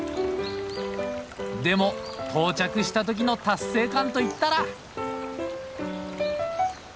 でも到着した時の達成感といったら！